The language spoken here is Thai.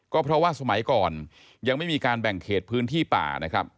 ก็เพราะว่าสมัยก่อนยังไม่มีการแบ่งเขตพื้นที่ป่านะครับ